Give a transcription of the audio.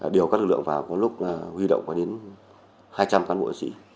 điều các lực lượng vào lúc huy động có đến hai trăm linh cán bộ